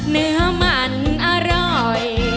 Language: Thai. เนื้อมันอร่อย